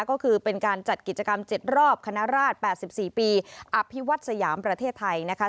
ก็คือเป็นการจัดกิจกรรม๗รอบคณราช๘๔ปีอภิวัตสยามประเทศไทยนะคะ